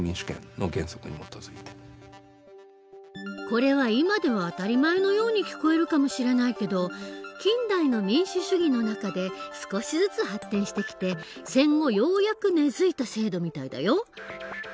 これは今では当たり前のように聞こえるかもしれないけど近代の民主主義の中で少しずつ発展してきて戦後ようやく根づいた制度みたいだよ。